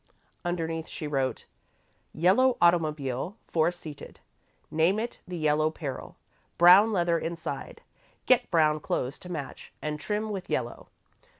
Underneath she wrote: "Yellow automobile, four seated. Name it 'The Yellow Peril.' Brown leather inside. Get brown clothes to match and trim with yellow.